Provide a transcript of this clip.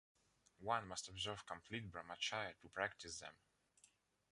One must observe complete Brahmacharya to practice them.